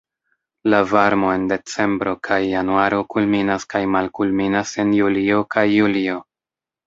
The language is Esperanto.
La varmo en decembro kaj januaro kulminas kaj malkulminas en julio kaj julio.